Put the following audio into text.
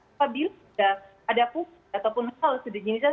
apabila sudah ada pukul ataupun hal sederhana